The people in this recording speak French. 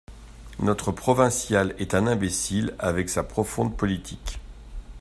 Notre Provincial est un imbécile, avec sa profonde politique.